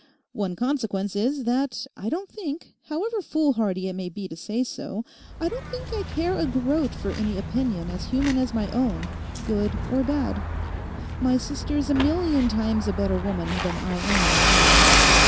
One consequence is that I don't think, however foolhardy it may be to say so, I don't think I care a groat for any opinion as human as my own, good or bad. My sister's a million times a better woman than I am a man.